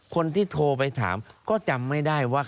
คนที่โทรไปถามก็จำไม่ได้ว่า